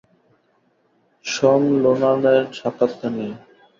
শন নোলানের সাক্ষাৎকার নিয়ে।